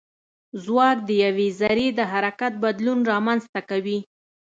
ځواک د یوې ذرې د حرکت بدلون رامنځته کوي.